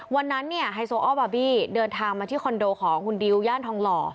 วันนั้นเนี่ยไฮโซออลบาร์บี้เดินทางมาที่คอนโดของคุณดิวย่านทองหล่อ